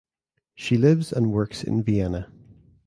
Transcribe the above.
She lives and works in Vienna.